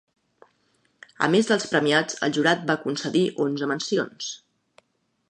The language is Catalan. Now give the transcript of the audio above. A més dels premiats, el Jurat va concedir onze mencions.